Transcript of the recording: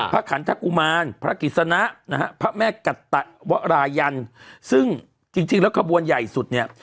พระขันธกุมารพระกิจสนะพระแม่กัตวรายันซึ่งจริงแล้วขบวนใหญ่สุดเนี่ย